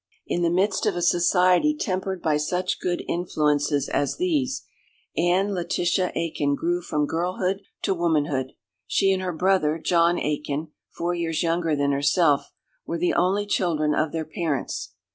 In the midst of a society tempered by such good influences as these, Anne Letitia Aikin grew from girlhood to womanhood. She and her brother, John Aikin, four years younger than herself, were the only children of their parents.